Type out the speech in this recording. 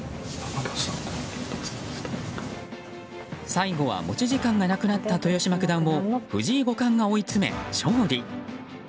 最後は、持ち時間がなくなった豊島九段を藤井五冠が追い詰め、勝利。